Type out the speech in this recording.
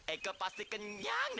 aku pasti kenyang